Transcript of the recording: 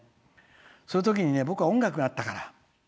そういうときに僕は音楽があったから。